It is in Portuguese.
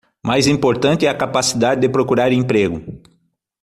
Mais importante é a capacidade de procurar emprego